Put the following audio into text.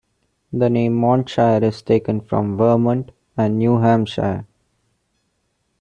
The name Montshire is taken from "Vermont" and "New Hampshire".